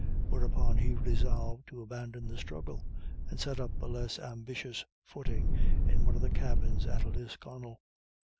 Whereupon he resolved to abandon the struggle, and set up on a less ambitious footing in one of the cabins at Lisconnel.